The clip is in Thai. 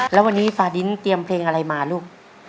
แล้ววันนี้ฟาดินเตรียมเพลงอะไรมาลูก